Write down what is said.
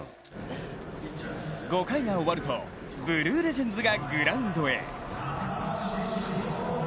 ５回が終わると、ブルーレジェンズがグラウンドへ。